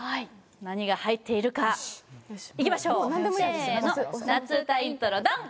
何が入っているかいきましょうせーの夏うたイントロＤＯＮ！